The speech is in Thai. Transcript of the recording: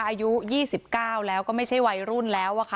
อายุ๒๙แล้วก็ไม่ใช่วัยรุ่นแล้วค่ะ